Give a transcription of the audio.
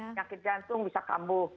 penyakit jantung bisa kekambuh